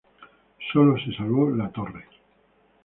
Sólo se salvó la torre.